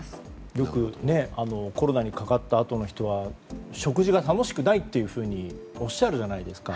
よくコロナにかかったあとの人は食事が楽しくないというふうにおっしゃるじゃないですか。